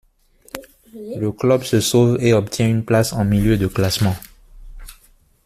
Le club se sauve et obtient une place en milieu de classement.